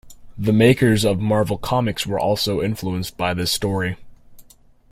The makers of Marvel Comics were also influenced by this story.